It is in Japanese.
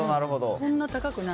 そんな高くない。